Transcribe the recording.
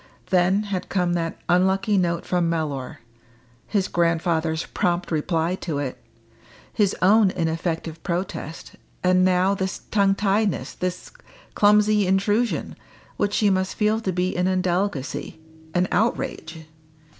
Then had come that unlucky note from Mellor; his grandfather's prompt reply to it; his own ineffective protest; and now this tongue tiedness this clumsy intrusion which she must feel to be an indelicacy an outrage.